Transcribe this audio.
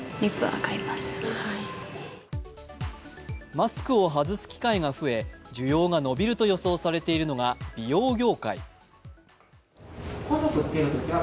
マスクを外す機会が増え需要が伸びると予想されているのが美容業界。